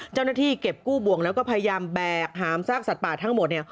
เจ้าหน้าที่เก็บกู้บ่วงแล้วก็พยายามแบกหามซากสัตว์ป่าทั้งหมดเนี่ย